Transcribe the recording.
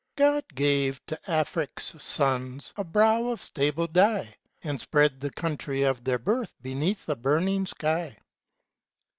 GOD gave to Afric's sons A brow of sable dye ; And spread the country of their birth Beneath a burning sky.